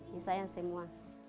di sayang semua